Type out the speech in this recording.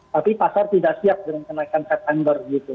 tapi pasar tidak siap dengan kenaikan september gitu